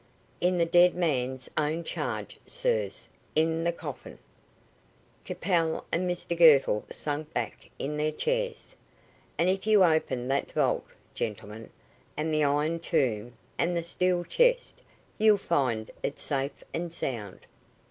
"In the dead man's own charge, sirs. In the coffin." Capel and Mr Girtle sank back in their chairs. "And if you open that vault, gentlemen, and the iron tomb, and the steel chest, you'll find it safe and sound."